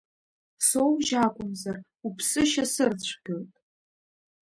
Соужь акәымзар, уԥсышьа сырцәгьоит.